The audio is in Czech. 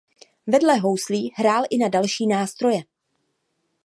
Vedle houslí hrál i na další nástroje.